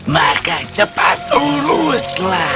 maka cepat uruslah